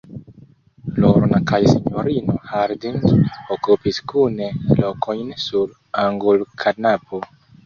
Lorna kaj sinjorino Harding okupis kune lokojn sur angulkanapo.